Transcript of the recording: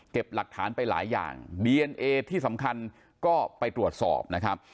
หลักฐานไปหลายอย่างดีเอนเอที่สำคัญก็ไปตรวจสอบนะครับ